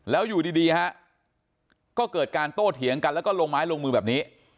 แล้วอยู่ดีฮะก็เกิดการโต้เถียงกันแล้วก็ลงไม้ลงมือแบบนี้